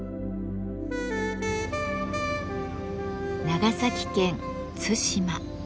長崎県対馬。